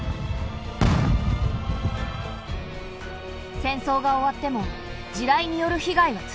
戦争が終わっても地雷による被害は続いている。